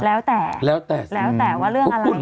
แล้วแต่ว่าเรื่องอะไรแล้วแต่เรื่องอะไร